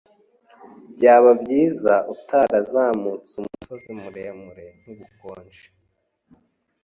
Byaba byiza utarazamutse umusozi muremure nkubukonje.